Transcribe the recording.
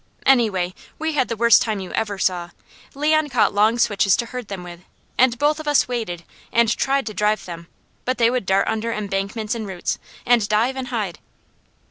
Anyway, we had the worst time you ever saw. Leon cut long switches to herd them with, and both of us waded and tried to drive them, but they would dart under embankments and roots, and dive and hide.